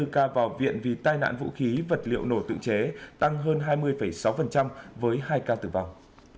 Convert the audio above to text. hai mươi ca vào viện vì tai nạn vũ khí vật liệu nổ tự chế tăng hơn hai mươi sáu với hai ca tử vong